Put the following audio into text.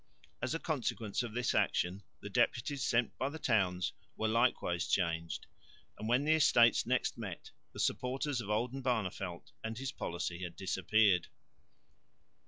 As a consequence of this action the deputies sent by the towns were likewise changed; and, when the Estates next met, the supporters of Oldenbarneveldt and his policy had disappeared.